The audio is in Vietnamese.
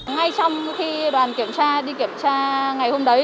ngay trong khi đoàn kiểm tra đi kiểm tra ngày hôm đấy